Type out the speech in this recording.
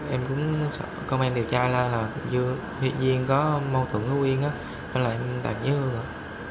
em cũng comment điều tra là duyên có mâu thuẫn với quyên nên là em tạm giới hương